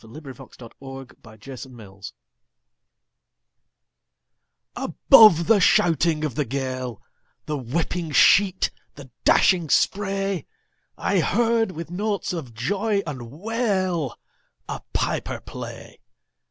Clinton Scollard Bag Pipes at Sea ABOVE the shouting of the gale, The whipping sheet, the dashing spray,I heard, with notes of joy and wail,A piper play.